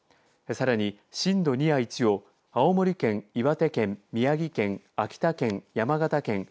さらに震度２や１を青森県岩手県宮城県、秋田県、山形県